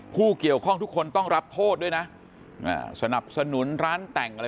ผู้เกี่ยวข้องทุกคนต้องรับโทษด้วยนะสนับสนุนร้านแต่งอะไร